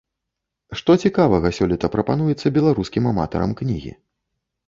Што цікавага сёлета прапануецца беларускім аматарам кнігі?